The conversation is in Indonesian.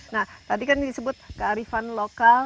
nah tadi kan disebut kearifan lokal